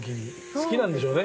好きなんでしょうね。